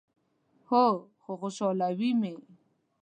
هو، خو خوشحالوي می